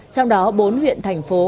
trong đó bốn huyện thành phố